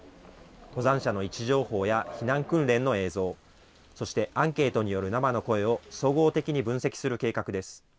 登山者の位置情報や避難訓練の映像、そしてアンケートによる生の声を総合的に分析する計画です。